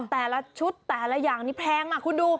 แต่ละชุดแต่ละอย่างนี้แพงมากคุณดู